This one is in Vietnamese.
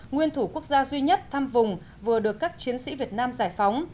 nguyên thủ quốc gia duy nhất thăm vùng vừa được các chiến sĩ việt nam giải phóng